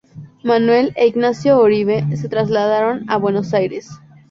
Manuel e Ignacio Oribe se trasladaron a Buenos Aires.